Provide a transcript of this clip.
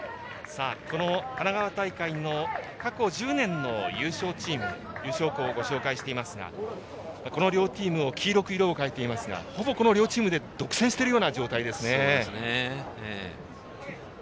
この神奈川大会の過去１０年の優勝チーム優勝校をご紹介していますがこの両チームを黄色く色を変えていますがほぼこの両チームで独占しているような状態です。